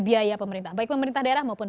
biaya pemerintah baik pemerintah daerah maupun